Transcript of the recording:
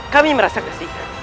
kami merasa kesih